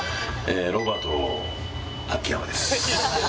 ロバート秋山です。